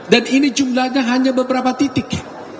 dan ini jumlahnya hanya beberapa titik